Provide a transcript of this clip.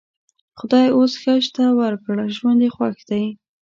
خدای اوس ښه شته ورکړ؛ ژوند یې خوښ دی.